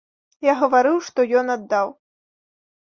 Я гаварыў, што ён аддаў.